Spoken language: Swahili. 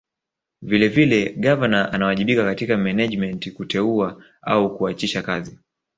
Vilevile Gavana anawajibika katika Menejimenti kuteua au kuachisha kazi